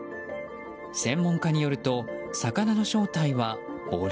専門家によると魚の正体はボラ。